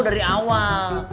tau dari awal